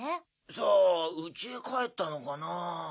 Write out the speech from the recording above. さあうちへ帰ったのかなぁ？